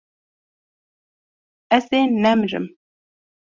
Ez ê nemirim.